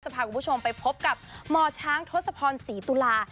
พาคุณผู้ชมไปพบกับหมอช้างทศพรศรีตุลา